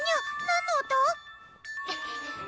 何の音⁉